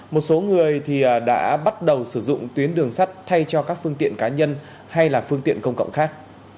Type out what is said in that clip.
một số người thì đã bắt đầu sử dụng tuyến đường sắt thay cho các phương tiện cá nhân hay là phương tiện công cộng khác